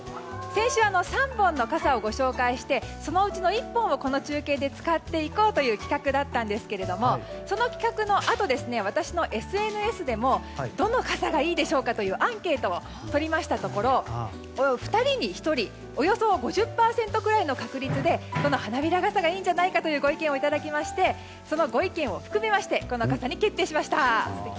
先週は３本の傘をご紹介してそのうちの１本をこの中継で使っていこうという企画だったんですけれどもその企画のあと私のＳＮＳでもどの傘がいいでしょうかというアンケートを取りましたところ２人に１人およそ５０％くらいの確率でこの花びら傘がいいんじゃないかというご意見をいただきましてそのご意見を含めましてこの傘に決定致しました。